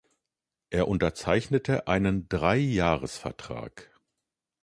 Er unterzeichnete einen Dreijahresvertrag.